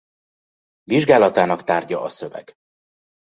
Vizsgálatának tárgya a szöveg.